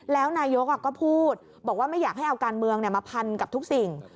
แล้วนายกก็พูดบอกว่าไม่อยากให้เอาการเมืองมาพันกับทุกสิ่ง